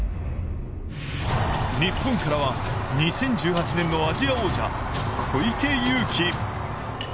日本からは２０１８年のアジア王者・小池祐貴。